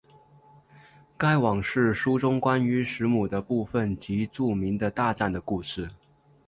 该往世书中关于时母的部分即著名的大战的故事。